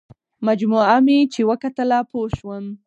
مجموعه مې چې وکتله پوه شوم.